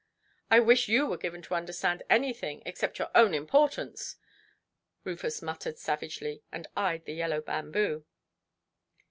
"I wish you were given to understand anything except your own importance", Rufus muttered savagely, and eyed the yellow bamboo.